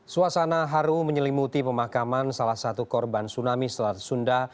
suasana haru menyelimuti pemakaman salah satu korban tsunami selat sunda